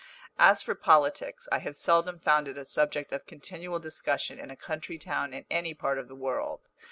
As for politics, I have seldom found it a subject of continual discussion in a country town in any part of the world.